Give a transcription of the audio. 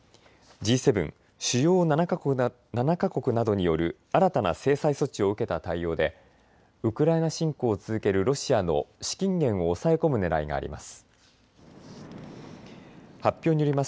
Ｇ７・主要７か国などによる新たな制裁措置を受けた対応でウクライナ侵攻を続けるロシアの資金源を抑え込むねらいがあります。